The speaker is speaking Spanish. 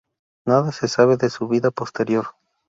Nada se sabe de su vida posterior.